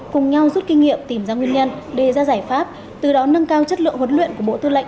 cùng nhau rút kinh nghiệm tìm ra nguyên nhân đề ra giải pháp từ đó nâng cao chất lượng huấn luyện của bộ tư lệnh